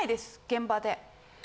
現場で？